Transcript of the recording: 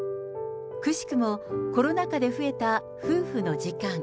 奇しくも、コロナ禍で増えた夫婦の時間。